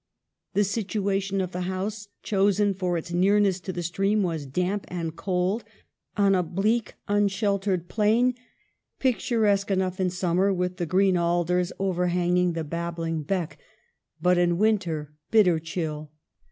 The situation of the house, chosen for its near ness to the stream, was damp and cold, on a bleak, unsheltered plain, picturesque enough in summer with the green alders overhanging the 44 EMILY BRONTE. babbling beck, but in winter bitter chill.